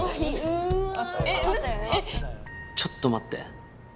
ちょっと待って。